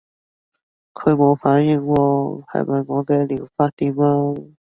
佢冇反應喎，係咪我嘅療法掂啊？